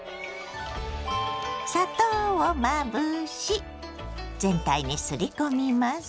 砂糖をまぶし全体にすり込みます。